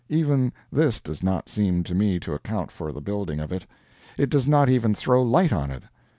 Even this does not seem to me to account for the building of it. It does not even throw light on it.